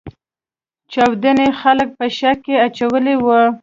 چاودنې خلګ په شک کې اچولي وو.